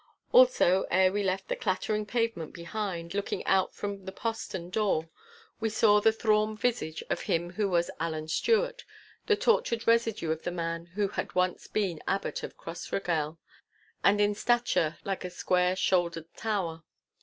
Also ere we left the clattering pavement behind, looking out from the postern door we saw the thrawn visage of him who was Allan Stewart, the tortured residue of the man who had once been Abbot of Crossraguel, and in stature like a square shouldered tower.